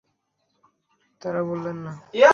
তারা বললেন না।